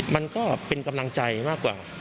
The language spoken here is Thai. มันก็เป็นกำลังใจมากกว่า